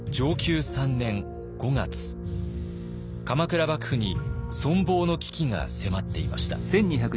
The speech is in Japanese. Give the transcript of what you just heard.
鎌倉幕府に存亡の危機が迫っていました。